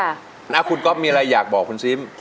แล้วคุณก๊อฟมีอะไรอยากบอกคุณซิม